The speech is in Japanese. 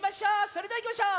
それではいきましょう！